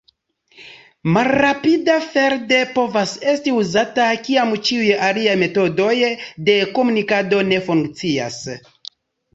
Malrapida feld povas esti uzata, kiam ĉiuj aliaj metodoj de komunikado ne funkcias.